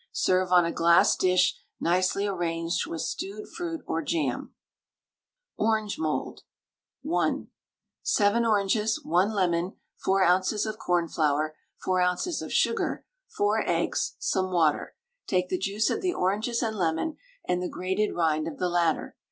Serve on a glass dish nicely arranged with stewed fruit or jam. ORANGE MOULD (1). 7 oranges, 1 lemon, 4 oz. of cornflour, 4 oz. of sugar, 4 eggs, some water. Take the juice of the oranges and lemon and the grated rind of the latter.